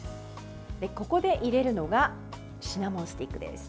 ここで入れるのがシナモンスティックです。